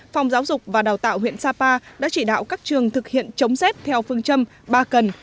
phòng giáo dục và đào tạo huyện sapa đã chỉ đạo các trường thực hiện chống xếp theo phương châm ba cần